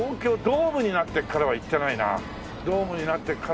ドームになってからは行ってないね。